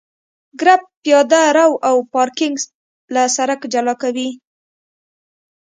کرب پیاده رو او پارکینګ له سرک جلا کوي